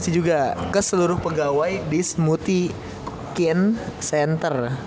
sama juga ke seluruh pegawai di smoothie kin center